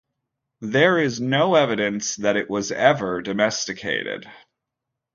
There is no evidence that it was ever domesticated.